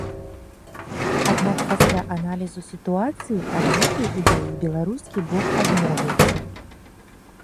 Аднак пасля аналізу сітуацыі ад гэтай ідэі беларускі бок адмовіўся.